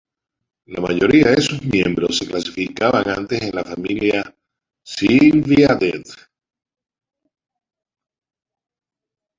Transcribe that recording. La mayoría de sus miembros se clasificaban antes en la familia Sylviidae.